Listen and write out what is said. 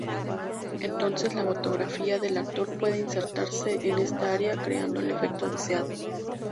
Entonces la fotografía del actor puede insertarse en esta área, creando el efecto deseado.